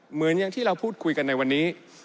เหมือนอย่างที่เราพูดคุยกันในวันนี้